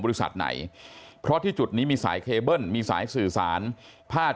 บริษัทไหนเพราะที่จุดนี้มีสายเคเบิ้ลมีสายสื่อสารภาค